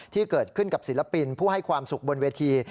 ที่เกิดขึ้นกับศิลปินผู้ให้ความสุขบนเวที